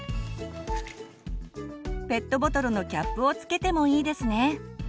ペットボトルのキャップを付けてもいいですね。